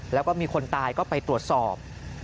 แล้วก็มีคนตายก็ไปตรวจสอบ